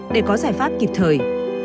để có giải pháp kịp thời